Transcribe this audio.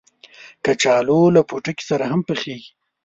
کچالو له پوټکي سره هم پخېږي